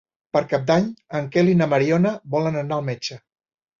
Per Cap d'Any en Quel i na Mariona volen anar al metge.